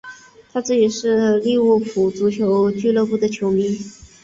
他自己是利物浦足球俱乐部的球迷。